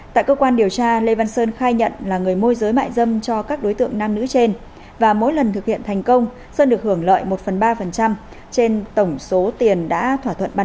tại cơ quan điều tra lê văn sơn khai nhận là người môi giới mại dâm cho các đối tượng nam nữ trên và mỗi lần thực hiện thành công sơn được hưởng lợi một phần ba trên tổng số tiền đã thỏa thuận bán